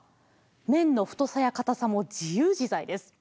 めんの太さやかたさも自由自在です。